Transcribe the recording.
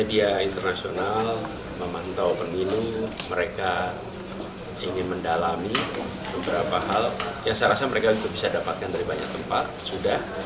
ya saya rasa mereka bisa dapatkan dari banyak tempat sudah